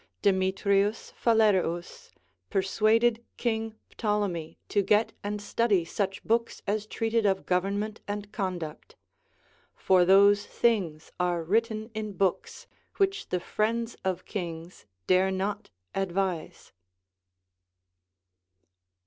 Demetrius Phalcreus persuaded Kiug• Ptolemy to get and study such books as treated of government and conduct ; for those things are written iu books which the friends of kings dare not advise.